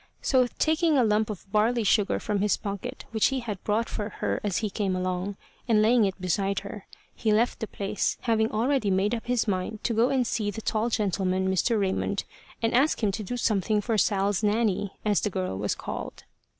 So taking a lump of barley sugar from his pocket, which he had bought for her as he came along, and laying it beside her, he left the place, having already made up his mind to go and see the tall gentleman, Mr. Raymond, and ask him to do something for Sal's Nanny, as the girl was called.